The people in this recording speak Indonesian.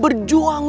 kak jawab dong